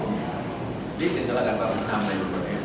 นิดหนึ่งก็แล้วกันว่าผมทำอะไรอยู่ตรงนี้